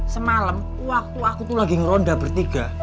semalam waktu aku tuh lagi ngeronda bertiga